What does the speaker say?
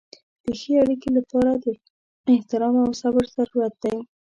د ښې اړیکې لپاره د احترام او صبر ضرورت دی.